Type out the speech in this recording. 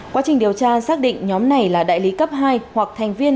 quá trình điều tra xác định nhóm này là đại lý cấp hai hoặc thành viên